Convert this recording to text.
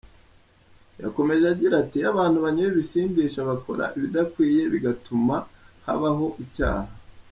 Yakomeje agira ati “Iyo abantu banyoye ibisindisha bakora ibidakwiye bigatuma habaho icyaha.